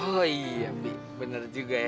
oh iya fi bener juga ya